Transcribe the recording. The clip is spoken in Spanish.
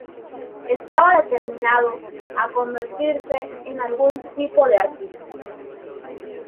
Estaba determinado a convertirse en algún tipo de artista.